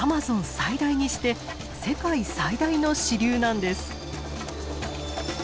最大にして世界最大の支流なんです。